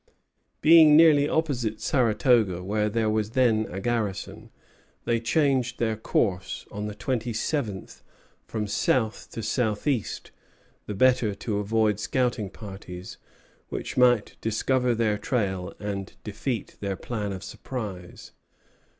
Being nearly opposite Saratoga, where there was then a garrison, they changed their course, on the 27th, from south to southeast, the better to avoid scouting parties, which might discover their trail and defeat their plan of surprise.